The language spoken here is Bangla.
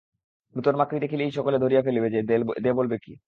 নূতন মাকড়ি দেখিলেই সকলে ধরিয়া ফেলিবে যে দে বলবে কী?